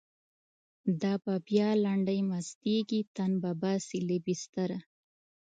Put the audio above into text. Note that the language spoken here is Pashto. دا به بیا لنډۍ مستیږی، تن به باسی له بستره